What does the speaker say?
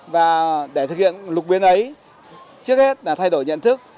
và để thực hiện lục biến ấy trước hết là thay đổi nhận thức